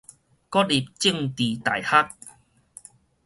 國立政治大學